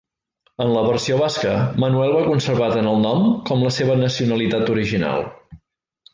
En la versió basca, Manuel va conservar tant el nom com la seva nacionalitat original.